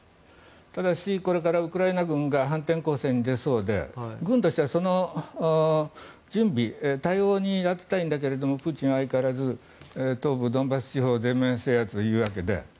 ただしこれからウクライナ軍が反転攻勢に出そうで軍としてはその準備、対応に充てたいんだけどもプーチンは相変わらず東部ドンバス地方前面制圧をいうわけで。